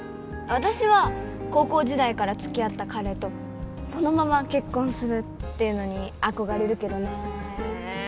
私は高校時代から付き合った彼とそのまま結婚するっていうのに憧れるけどねええ